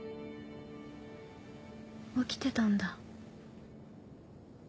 起きてたんだ。